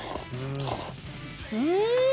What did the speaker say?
うん！